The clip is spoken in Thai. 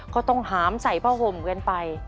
เขาต้องหามใส่เผาห่มกันไป